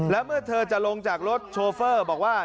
แล้วเมื่อเธอจะลงจากรถโชเฟอร์บอกว่า